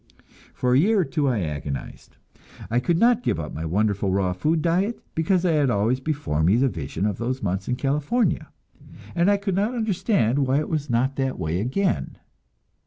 For a year or two I agonized; I could not give up my wonderful raw food diet, because I had always before me the vision of those months in California, and could not understand why it was not that way again.